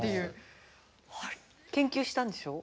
研究したんでしょ？